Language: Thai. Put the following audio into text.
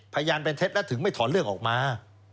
พยานเป็นเท็จแล้วถึงไม่ถอนเรื่องออกมา